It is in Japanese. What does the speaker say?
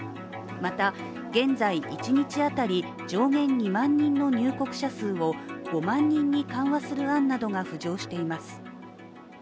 また、現在一日当たり上限２万人の入国者数を５万人に緩和する案などが浮上しています。